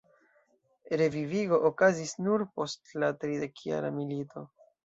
Reviviĝo okazis nur post la tridekjara milito.